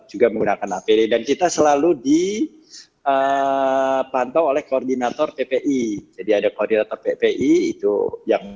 juga menggunakan apd dan kita selalu dipantau oleh koordinator ppi jadi ada koordinator ppi itu yang